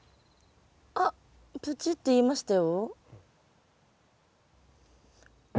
あっプチッていいましたよ。